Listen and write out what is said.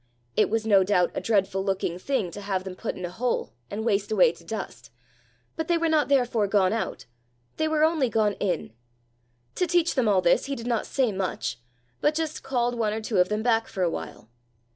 It was no doubt a dreadful looking thing to have them put in a hole, and waste away to dust, but they were not therefore gone out they were only gone in! To teach them all this he did not say much, but just called one or two of them back for a while.